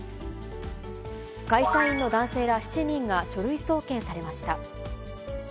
会社員の男性ら７人が書類送検されました。